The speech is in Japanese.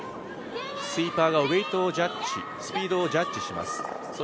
スイーパーがウエイトをジャッジスピードをジャッジします。